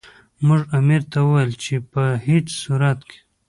موږ امیر ته وویل چې په هیڅ صورت کې.